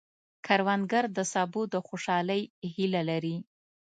کروندګر د سبو د خوشحالۍ هیله لري